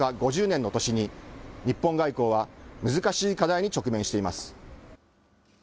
５０年の年に、日本外交は難しい課題に直面しています。